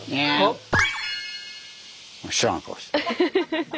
知らん顔してる。